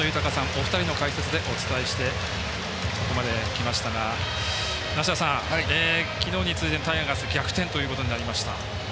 お二人の解説でお伝えしてここまできましたが梨田さん、昨日に続いてタイガース逆転となりました。